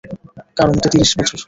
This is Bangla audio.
কারও মতে, তিরাশি বছর।